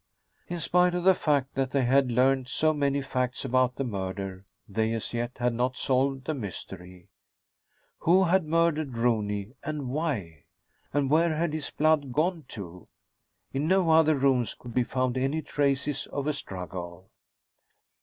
In spite of the fact that they had learned so many facts about the murder, they as yet had not solved the mystery. Who had murdered Rooney, and why? And where had his blood gone to? In no other rooms could be found any traces of a struggle.